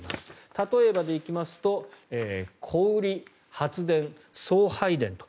例えばですが小売り、発電、送配電と